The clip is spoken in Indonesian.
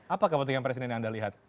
apa kepentingan presiden yang anda lihat